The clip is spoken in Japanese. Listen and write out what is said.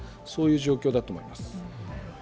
そういう状況だと思います。